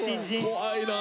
怖いな。